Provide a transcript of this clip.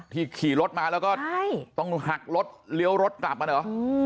ขี่รถมาแล้วก็ต้องหักรถเลี้ยวรถกลับมาเหรอ